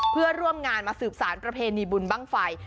เพื่อร่วมงานมาสืบสารประเพณีบุญบ้างไฟ